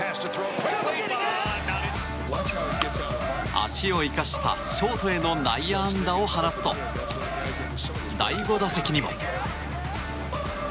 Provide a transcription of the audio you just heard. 足を生かしたショートへの内野安打を放つと第５打席にも。